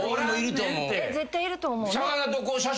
絶対いると思う。